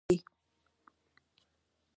پر ما د زوی باور حيرانوونکې پايلې درلودې